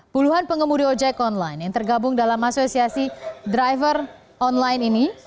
puluhan pengemudi ojek online yang tergabung dalam asosiasi driver online ini